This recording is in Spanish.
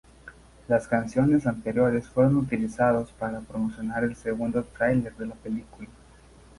Las canciones anteriores fueron utilizados para promocionar el segundo tráiler de la película.